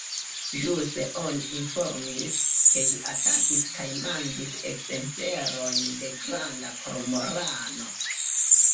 Ĵuse oni informis, ke ĝi atakis kaj manĝis ekzemplerojn de granda kormorano.